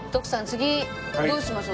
次どうしましょう？